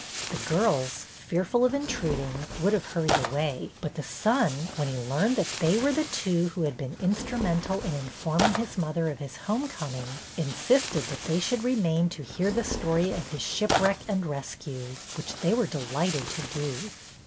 The girls, fearful of intruding, would have hurried away, but the son, when he learned that they were the two who had been instru mental in informino: his mother of his home coming, insisted that they should remain to hear the story of his shipwreck and rescue, which they were delighted to do.